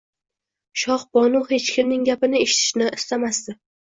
Shohbonu hech kimning gapini eshitishni istamasdi